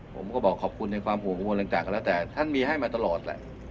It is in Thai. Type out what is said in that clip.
ผมก็บอกขอบคุณในความห่วงกังวลต่างก็แล้วแต่ท่านมีให้มาตลอดแหละ